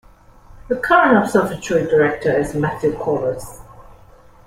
The current observatory director is Matthew Colless.